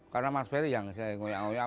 karena mas perry yang saya mengajak